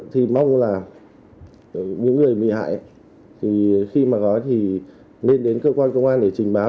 thì mong là những người bị hại thì khi mà có thì nên đến cơ quan công an để trình báo